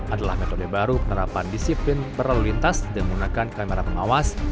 adalah metode baru penerapan disiplin berlalu lintas dan menggunakan kamera pengawas